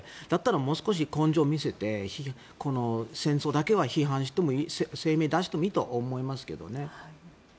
だったらもう少し根性を見せて戦争だけは声明を出していいと思いますけどね。